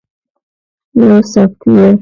- یو سافټویر 📦